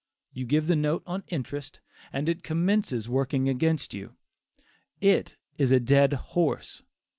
You give the note on interest and it commences working against you; "it is a dead horse."